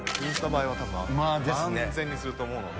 完全にすると思うんで。